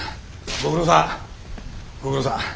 ご苦労さんご苦労さん。